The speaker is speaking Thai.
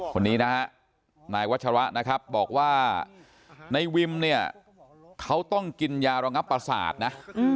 คนนี้นะฮะนายวัชระนะครับบอกว่าในวิมเนี่ยเขาต้องกินยาระงับประสาทนะ